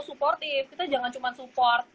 supportif kita jangan cuma support